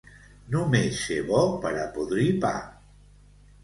Només ser bo per a podrir pa.